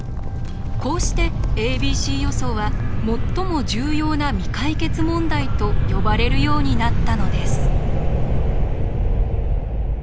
こうしてａｂｃ予想は最も重要な未解決問題と呼ばれるようになったのです。